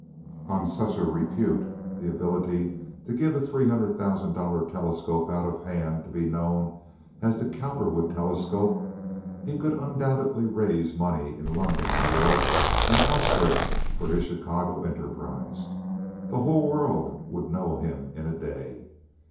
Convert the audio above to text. On such a repute (the ability to give a three hundred thousand dollar telescope out of hand to be known as the Cowperwood telescope) he could undoubtedly raise money in London, New York, and elsewhere for his Chicago enterprise. The whole world would know him in a day.